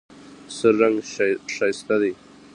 سور رنګ ښایسته دی.